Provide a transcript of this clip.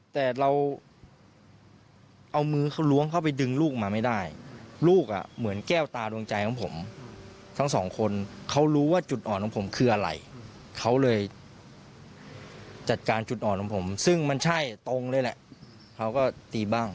แต่เราเอามือเขาล้วงเข้าไปดึงลูกมาไม่ได้ลูกอ่ะเหมือนแก้วตาดวงใจของผมทั้งสองคนเขารู้ว่าจุดอ่อนของผมคืออะไรเขาเลยจัดการจุดอ่อนของผมซึ่งมันใช่ตรงเลยแหละเขาก็ตีบ้าง